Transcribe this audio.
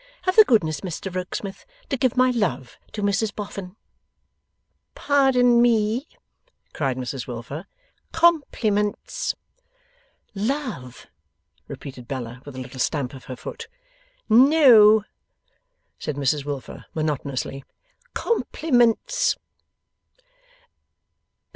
Have the goodness, Mr Rokesmith, to give my love to Mrs Boffin ' 'Pardon me!' cried Mrs Wilfer. 'Compliments.' 'Love!' repeated Bella, with a little stamp of her foot. 'No!' said Mrs Wilfer, monotonously. 'Compliments.